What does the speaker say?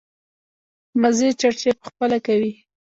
مزې چړچې په خپله کوي.